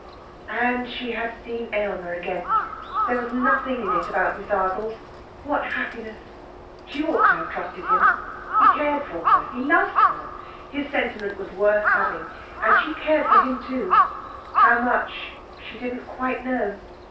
And she had seen Aylmer again! There was nothing in it about Miss Argles. What happiness! She ought to have trusted him. He cared for her. He loved her. His sentiment was worth having. And she cared for him too; how much she didn't quite know.